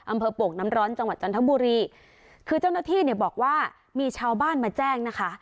โป่งน้ำร้อนจังหวัดจันทบุรีคือเจ้าหน้าที่เนี่ยบอกว่ามีชาวบ้านมาแจ้งนะคะ